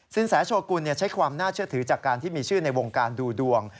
แสโชกุลใช้ความน่าเชื่อถือจากการที่มีชื่อในวงการดูดวง